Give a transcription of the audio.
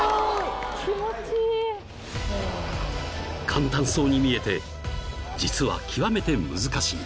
［簡単そうに見えて実は極めて難しい］